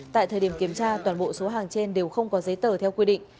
tại thời điểm kiểm tra toàn bộ số hàng trên đều không có giấy tờ theo quy định